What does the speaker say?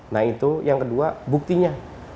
nah itu yang kedua buktinya